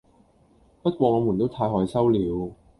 不過我們都太害羞了